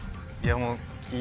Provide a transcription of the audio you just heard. いやもう。